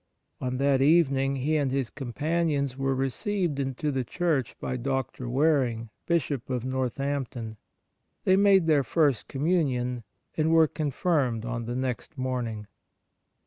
On that evening he and his companions were received into the Church by Dr. Wareing, Bishop of Northampton. They made their First Communion, and were confirmed on the next morning.